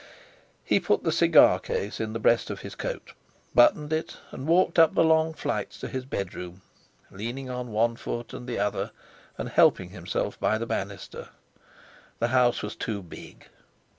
He put the cigar case in the breast of his coat, buttoned it in, and walked up the long flights to his bedroom, leaning on one foot and the other, and helping himself by the bannister. The house was too big.